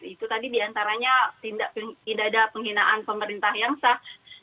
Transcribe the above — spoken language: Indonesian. itu tadi diantaranya tidak ada penghinaan pemerintah yang sah